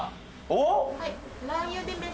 おっ？